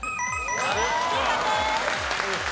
正解です。